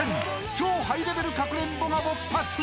超ハイレベルかくれんぼが勃発］